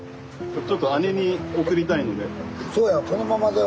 ちょっと姉に送りたいので。